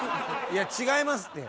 いや違いますって。